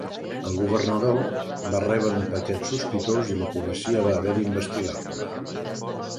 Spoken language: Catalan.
El governador va rebre un paquet sospitós i la policia va haver d'investigar-lo.